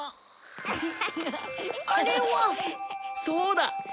そうだ！